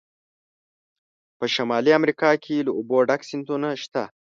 په شمالي امریکا کې له اوبو ډک سیندونه شته.